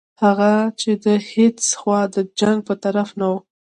هغه چې د هیڅ خوا د جنګ په طرف نه وو.